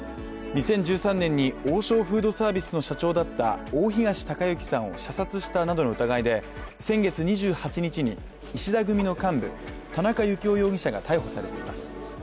２０１３年に王将フードサービスの社長だった大東隆行さんを射殺したなどの疑いで先月２８日に、石田組の幹部・田中幸雄容疑者が逮捕されています。